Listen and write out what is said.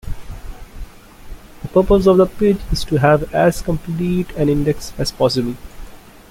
The purpose of the page is to have as complete an index as possible.